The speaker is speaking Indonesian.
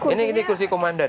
ini kursi komandan